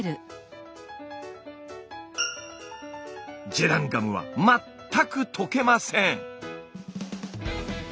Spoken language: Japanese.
ジェランガムは全く溶けません！